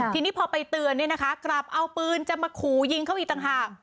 ทีนี้พอไปเตือนเนี่ยนะคะกลับเอาปืนจะมาขู่ยิงเขาอีกต่างหาก